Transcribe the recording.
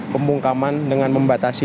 pembungkaman dengan membatasi